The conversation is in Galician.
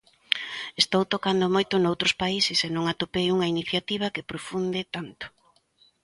Estou tocando moito noutros países e non atopei unha iniciativa que profunde tanto.